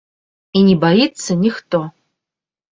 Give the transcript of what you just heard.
І не баіцца ніхто.